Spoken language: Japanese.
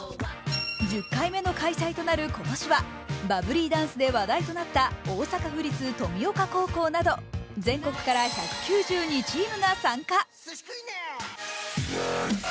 １０回目の開催となる今年はバブリーダンスで話題となった大阪府立登美丘高校など全国から１９２チームが参加。